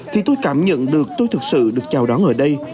thì tôi cảm nhận được tôi thực sự được chào đón ở đây